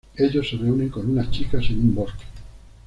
Ellos se reúnen con unas chicas en un bosque.